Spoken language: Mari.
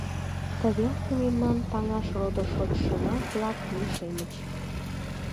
Тывелке мемнан таҥаш родо-шочшына-влак лишемыч.